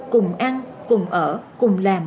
cùng ăn cùng ở cùng làm